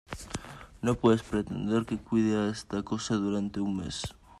no puedes pretender que cuide a esta cosa durante un mes ;